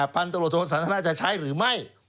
พันธ์ตรวจโศนาจะใช้หรือไม่